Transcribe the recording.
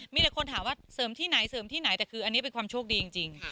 มีแต่คนถามว่าเสริมที่ไหนแต่คืออันนี้เป็นความโชคดีจริง